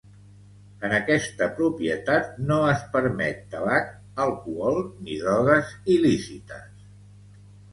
En aquesta propietat no es permet tabac, alcohol ni drogues il·lícites